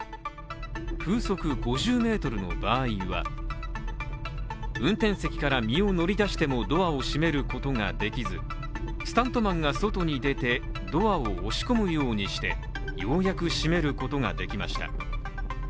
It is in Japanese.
風速５０メートルの場合は運転席から身を乗り出してもドアを閉めることができずスタントマンが外に出てドアを押し込むようにしてようやく閉めることができました。